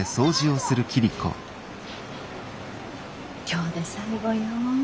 今日で最後よ。